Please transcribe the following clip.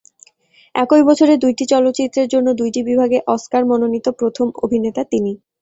একই বছরে দুইটি চলচ্চিত্রের জন্য দুইটি বিভাগে অস্কার মনোনীত প্রথম অভিনেতা তিনি।